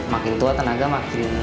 makin tua tenaga makin